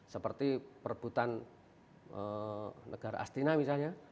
seperti perebutan negara astina misalnya